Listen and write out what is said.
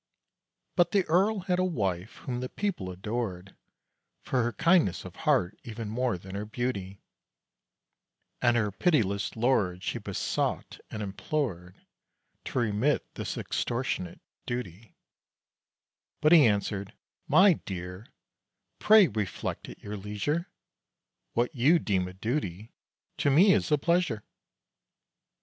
But the Earl had a wife, whom the people adored, For her kindness of heart even more than her beauty, And her pitiless lord she besought and implored To remit this extortionate "duty"; But he answered: "My dear, pray reflect at your leisure, What you deem a 'duty,' to me is a pleasure!"